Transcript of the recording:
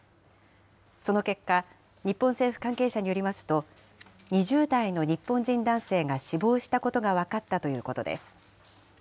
その結果、日本政府関係者によりますと、２０代の日本人男性が死亡したことが分かったということです。